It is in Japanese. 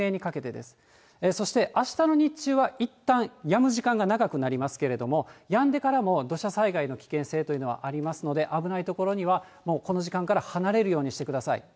そしてあしたの日中は、いったんやむ時間が長くなりますけれども、やんでからも土砂災害の危険性というのはありますので、危ない所には、もうこの時間から離れるようにしてください。